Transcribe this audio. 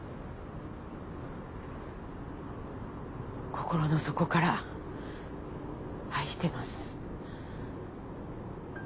心の底から愛してます。